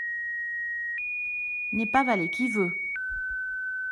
N’est pas valet qui veut !